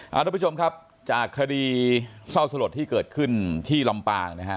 ทุกผู้ชมครับจากคดีเศร้าสลดที่เกิดขึ้นที่ลำปางนะฮะ